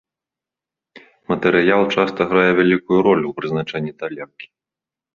Матэрыял часта грае вялікую ролю ў прызначэнні талеркі.